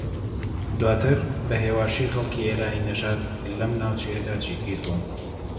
دواتر بە ھێواشی خەڵکی ئێرانی نەژاد لەم ناوچەیەدا جێگیر بوون